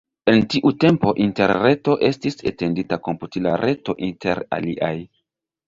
En tiu tempo Interreto estis etendita komputila reto inter aliaj.